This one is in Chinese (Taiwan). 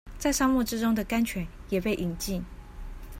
在沙漠之中的甘泉也被飲盡